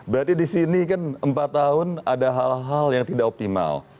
berarti di sini kan empat tahun ada hal hal yang tidak optimal